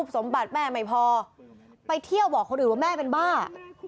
สมบัติแม่ไม่พอไปเที่ยวบอกคนอื่นว่าแม่เป็นบ้า